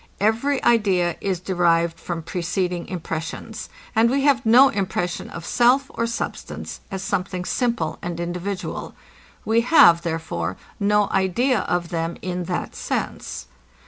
Every idea is derived from preceding impressions; and we have no impression of self or substance, as something simple and individual. We have, therefore, no idea of them in that sense.